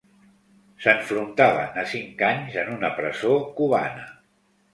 S'enfrontaven a cinc anys en una presó cubana.